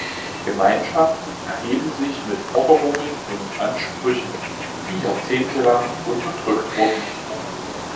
Gemeinschaften erheben sich mit Forderungen und Ansprüchen, die jahrzehntelang unterdrückt wurden.